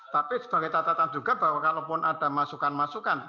tapi sebagai catatan juga bahwa kalaupun ada masukan masukan